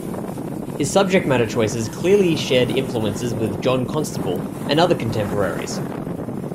His subject matter choices clearly shared influences with John Constable and other contemporaries.